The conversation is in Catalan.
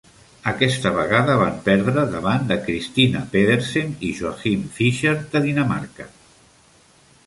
Aquesta vegada van perdre davant de Christinna Pedersen i Joachim Fischer, de Dinamarca.